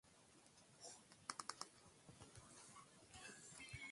Serikali inafuata rasmi haimtambui Mungu lakini inaruhusu dini